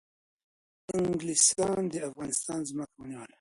انگلیسان د افغانستان ځمکه ونیوله